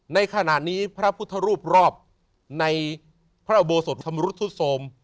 ในขณะนี้พระพุทธรูปรอบในพระบโบสถสมฤทธุสม